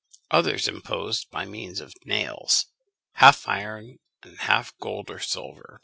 Others imposed by means of nails, half iron and half gold or silver.